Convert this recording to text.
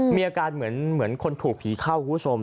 มีอาการเหมือนคนถูกผีเข้าคุณผู้ชม